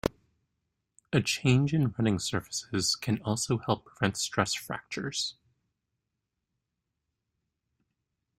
A change in running surfaces can also help prevent stress fractures.